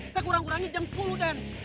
saya kurang kurangnya jam sepuluh dan